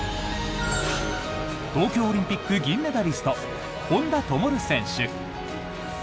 東京オリンピック銀メダリスト本多灯選手。